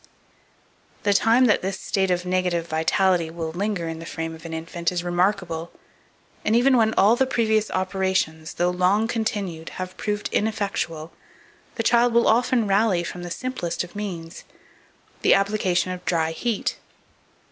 2465. The time that this state of negative vitality will linger in the frame of an infant is remarkable; and even when all the previous operations, though long continued, have proved ineffectual, the child will often rally from the simplest of means the application of dry heat.